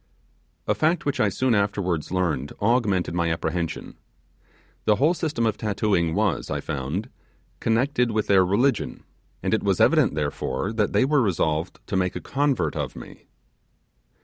A fact which I soon afterwards learned augmented my apprehension. The whole system of tattooing was, I found, connected with their religion; and it was evident, therefore, that they were resolved to make a convert of me.